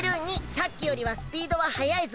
さっきよりはスピードははやいぞ。